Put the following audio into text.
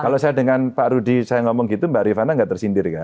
kalau saya dengan pak rudy saya ngomong gitu mbak rifana nggak tersindir kan